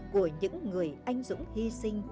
của những người anh dũng hy sinh